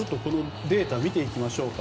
データを見ていきましょう。